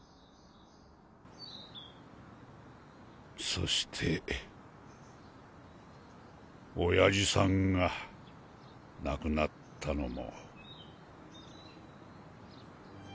そして親父さんが亡くなったのも。